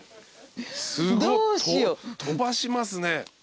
すごい飛ばしますね。